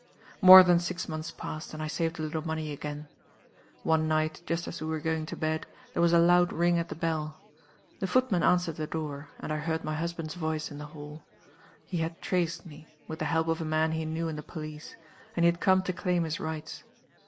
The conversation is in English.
"More than six months passed, and I saved a little money again. "One night, just as we were going to bed, there was a loud ring at the bell. The footman answered the door and I heard my husband's voice in the hall. He had traced me, with the help of a man he knew in the police; and he had come to claim his rights.